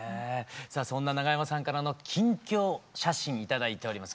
さぁそんな長山さんからの近況写真頂いております